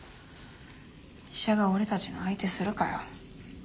医者が俺たちの相手するかよ。